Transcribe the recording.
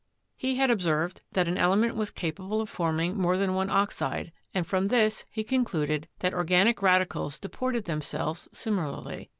He had observed that an element was capable of forming more than one oxide, and from this he con cluded that organic radicals deported themselves similarly.